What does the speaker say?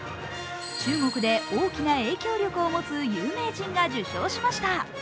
中国で大きな影響力を持つ有名人が受賞しました。